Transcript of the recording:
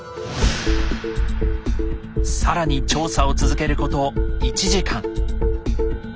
更に調査を続けること１時間。